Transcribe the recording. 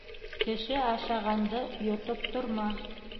Кеше ашағанды йотоп торма.